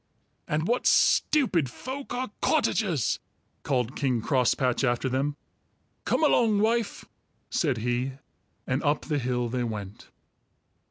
"And what stupid folk are cottagers!" called King Crosspatch after them. "Come along, wife," said he, and up the hill they went.